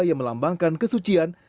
yang melambangkan kesucian